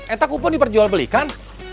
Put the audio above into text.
entah kupon diperjual belikan